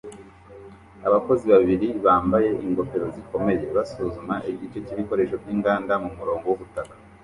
Abakozi babiri bambaye ingofero zikomeye basuzuma igice cyibikoresho byinganda mumurongo wubutaka